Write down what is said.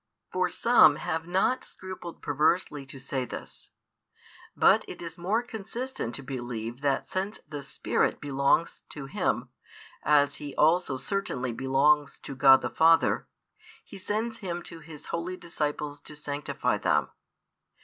For some have not scrupled perversely to say this. But it is more consistent to believe that since the Spirit belongs to Him, as He also certainly belongs to God the Father, He sends Him to His holy disciples to sanctify them.